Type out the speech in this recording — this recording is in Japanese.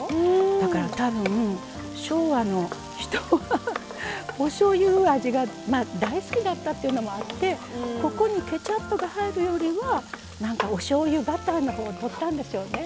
だから多分昭和の人はおしょうゆ味が大好きだったっていうのもあってここにケチャップが入るよりはなんかおしょうゆバターの方を取ったんでしょうね。